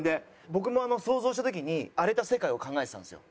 僕も想像した時に荒れた世界を考えてたんですよ。